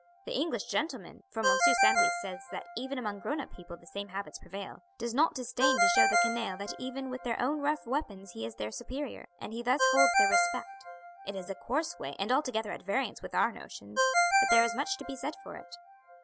The English gentleman for Monsieur Sandwith says that even among grown up people the same habits prevail does not disdain to show the canaille that even with their own rough weapons he is their superior, and he thus holds their respect. It is a coarse way and altogether at variance with our notions, but there is much to be said for it."